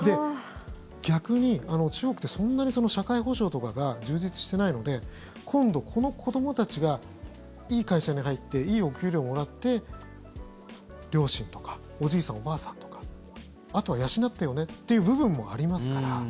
逆に中国ってそんなに社会保障とかが充実していないので今度、この子どもたちがいい会社に入っていいお給料をもらって、両親とかおじいさん、おばあさんとかあとは養ってよねという部分もありますから。